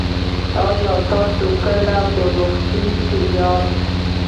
ایا تاسو کله په روغتون کې یاست؟